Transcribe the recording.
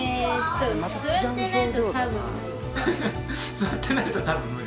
座ってないとたぶん無理？